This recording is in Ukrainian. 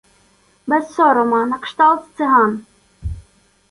Без сорома, на кшталт циган.